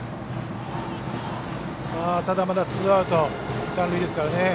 ただ、まだツーアウトですからね。